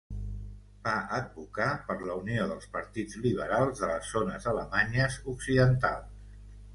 Va advocar per la unió dels partits liberals de les zones alemanyes occidentals.